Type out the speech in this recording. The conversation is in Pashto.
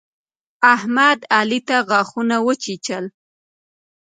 احمد، علي ته غاښونه وچيچل.